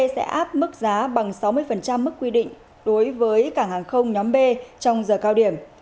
sẽ áp mức giá bằng sáu mươi mức quy định đối với cảng hàng không nhóm b trong giờ cao điểm